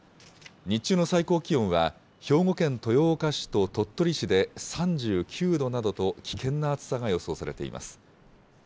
日中の最高気温は、兵庫県豊岡市と鳥取市で３９度などと危険な暑さが予想されています。